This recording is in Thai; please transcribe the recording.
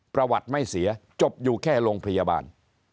ประวัติไม่เสียจบอยู่แค่โรงพยาบาล